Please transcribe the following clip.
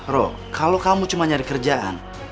roro kalau kamu cuma cari kerjaan